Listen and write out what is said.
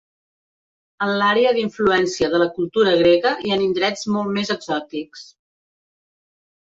En l'àrea d'influència de la cultura grega i en indrets molt més exòtics.